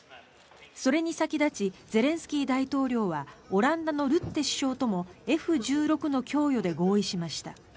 それに先立ちゼレンスキー大統領はオランダのルッテ首相ともＦ１６の供与で合意しました。